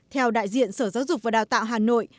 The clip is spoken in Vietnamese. theo đại diện sở giáo dục và đào tạo hà nội